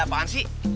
ada apaan sih